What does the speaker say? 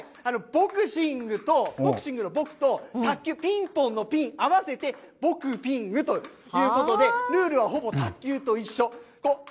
ボクシングと、ボクシングのボクと、卓球、ピンポンのピン、合わせてボクピングということで、ルールはほぼ卓球と一緒。